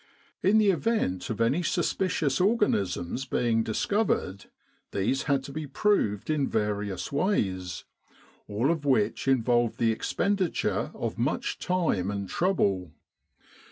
In the event of any suspicious organisms being discovered, these had to be proved in various ways, all of which involved the expenditure of much time and trouble.